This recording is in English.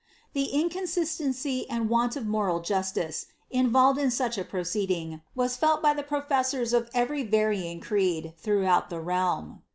The inconsistency and want of moral justice involved in such a pro ceeding, waa fell by the professors of every varying creed throughout the realm.